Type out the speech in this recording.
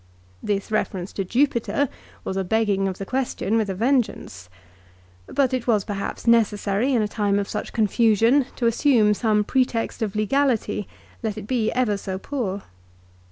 This reference to Jupiter was a begging of the question with a vengeance. But it was perhaps necessary, in a time of such confusion, to assume some pretext of legality, let it be ever so poor.